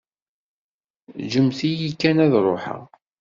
Ǧǧemt-iyi kan ad ṛuḥeɣ.